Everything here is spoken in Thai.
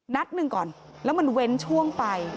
นัดหนึ่งก่อนแล้วมันเว้นช่วงไป